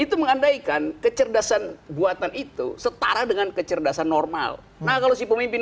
itu mengandaikan kecerdasan buatan itu setara dengan kecerdasan normal nah kalau si pemimpin